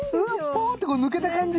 ポーンって抜けた感じ！